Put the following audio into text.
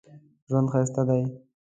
ژوند ښایسته دی